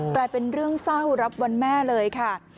กลายเป็นเรื่องเศร้ารับวันแม่เลยค่ะ